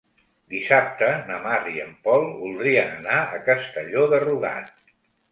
Dissabte na Mar i en Pol voldrien anar a Castelló de Rugat.